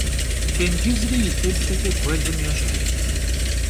Têncızri yi têplheç'e guelım yêşhş.